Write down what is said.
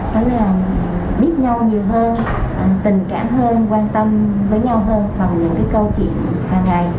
đấy là biết nhau nhiều hơn tình cảm hơn quan tâm với nhau hơn bằng những cái câu chuyện hàng ngày